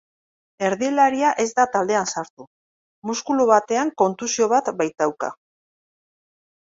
Erdilaria ez da taldean sartu, muskulu batean kontusio bat baitauka.